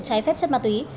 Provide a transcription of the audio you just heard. trái phép chất ma túy